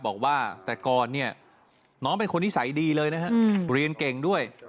บอกว่าแต่ก่อนเนี่ยน้องเป็นคนนิสัยดีเลยนะฮะเรียนเก่งด้วย